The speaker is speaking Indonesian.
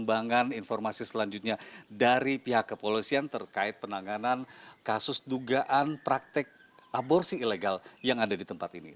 perkembangan informasi selanjutnya dari pihak kepolisian terkait penanganan kasus dugaan praktek aborsi ilegal yang ada di tempat ini